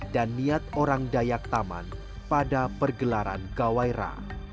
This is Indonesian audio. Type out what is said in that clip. kami mengharapkan juga kepada bapak ibu